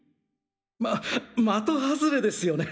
ま的外れですよね？